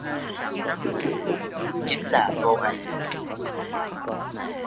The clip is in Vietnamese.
Chính là cô ấy